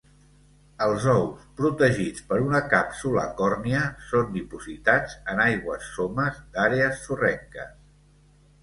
Els ous, protegits per una càpsula còrnia, són dipositats en aigües somes d'àrees sorrenques.